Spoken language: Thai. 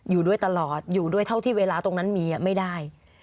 อยู่ด้วยตลอดอยู่ด้วยเท่าที่เวลาตรงนั้นมีไม่ได้